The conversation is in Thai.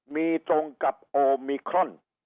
มีตรงกับโอมิครอน